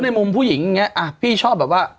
ในมุมผู้หญิงอย่างนี้พี่ชอบแบบว่า